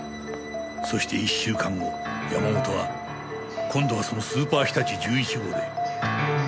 そして１週間後山本は今度はそのスーパーひたち１１号で。